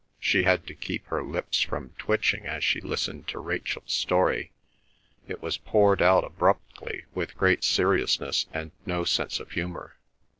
She had to keep her lips from twitching as she listened to Rachel's story. It was poured out abruptly with great seriousness and no sense of humour.